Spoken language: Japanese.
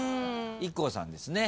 ＩＫＫＯさんですね。